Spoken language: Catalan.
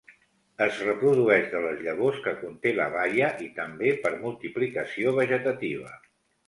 Es reprodueix de les llavors que conté la baia i també per multiplicació vegetativa.